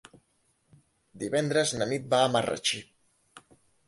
Divendres na Nit va a Marratxí.